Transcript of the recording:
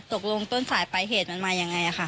ตกลงต้นสายปภาตมันมายังไง